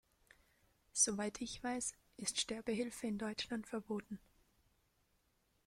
Soweit ich weiß, ist Sterbehilfe in Deutschland verboten.